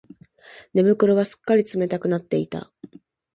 寝袋はすっかり冷たくなっていた